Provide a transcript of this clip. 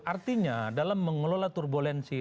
artinya dalam mengelola turbulensi